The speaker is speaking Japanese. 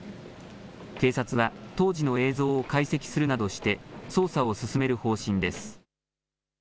警察は当時の映像を解析するなどして捜査を進める方針です。